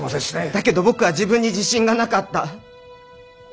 だけど僕は自分に自信がなかった。